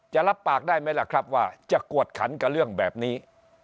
รับปากได้ไหมล่ะครับว่าจะกวดขันกับเรื่องแบบนี้